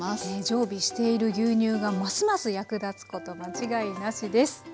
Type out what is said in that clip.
常備している牛乳がますます役立つこと間違いなしです。